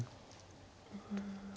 うん。